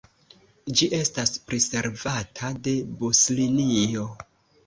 Ĝi estas priservata de buslinio.